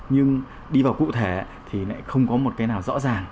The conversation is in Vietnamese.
nhưng đi vào cụ thể thì lại không có một cái nào rõ ràng